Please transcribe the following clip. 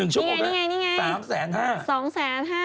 ๑ชั่วโมงครับ